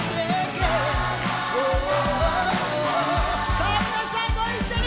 さあ皆さんご一緒に！